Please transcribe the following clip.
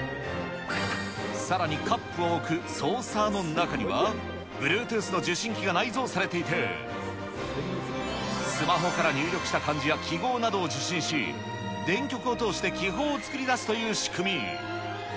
さらにカップを置くソーサーの中には、ブルートゥースの受信機が内蔵されていて、スマホから入力した漢字や記号などを受信し、電極を通して気泡を作り出すという仕組み。